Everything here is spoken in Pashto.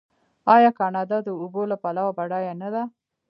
آیا کاناډا د اوبو له پلوه بډایه نه ده؟